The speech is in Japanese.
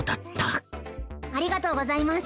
ありがとうございます。